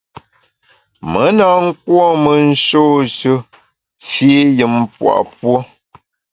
Me na nkuôme nshôshe fii yùm pua’ puo.